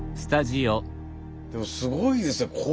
でもすごいですよ。